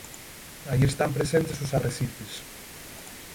Alí están presentes os arrecifes.